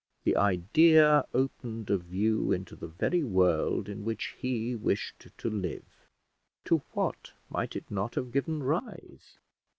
The idea opened a view into the very world in which he wished to live. To what might it not have given rise?